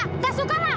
nggak suka ma